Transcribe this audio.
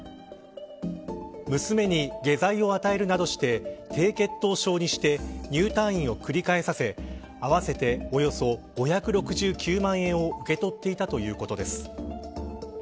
娘に下剤を与えるなどして低血糖症にして入退院を繰り返させ合わせておよそ５６９万円を受け取っていたということです。